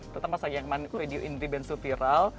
terutama saat yang main video indri bensu viral